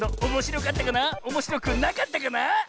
おもしろくなかったかな？